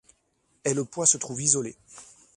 Et le poids se trouve isolé.